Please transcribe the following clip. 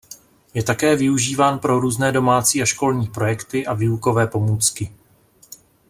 Je také využíván pro různé domácí a školní projekty a výukové pomůcky.